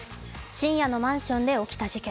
深夜のマンションで起きた事件。